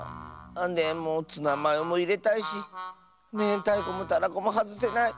でもツナマヨもいれたいしめんたいこもたらこもはずせない。